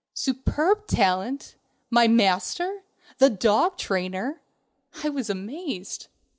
Superb talent! My master! The dog trainer! I was amazed.